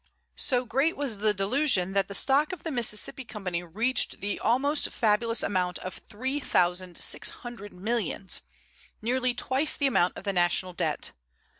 So great was the delusion, that the stock of the Mississippi Company reached the almost fabulous amount of three thousand six hundred millions, nearly twice the amount of the national debt.